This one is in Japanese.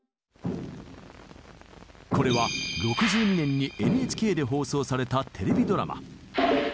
これは６２年にＮＨＫで放送されたテレビドラマ。